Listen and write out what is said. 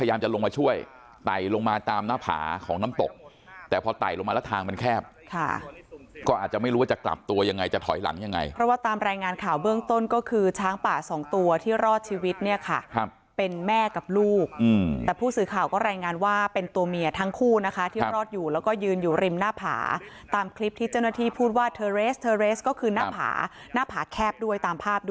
ก็อาจจะไม่รู้ว่าจะกลับตัวยังไงจะถอยหลังยังไงเพราะว่าตามรายงานข่าวเบื้องต้นก็คือช้างป่าสองตัวที่รอดชีวิตเนี่ยค่ะเป็นแม่กับลูกแต่ผู้สื่อข่าวก็รายงานว่าเป็นตัวเมียทั้งคู่นะคะที่รอดอยู่แล้วก็ยืนอยู่ริมหน้าผาตามคลิปที่เจ้าหน้าที่พูดว่าเธอเรสเธอเรสก็คือหน้าผาหน้าผาแคบด้วยต